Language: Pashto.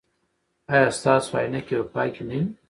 ایا ستاسو عینکې به پاکې نه وي؟